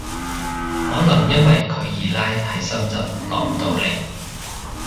可能因為佢二奶喺深圳落唔到嚟